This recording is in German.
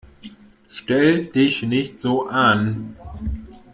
Stell dich nicht so an!